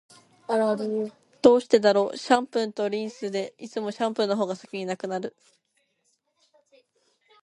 どうしてだろう、シャンプーとリンスって、いつもシャンプーの方が先に無くならない？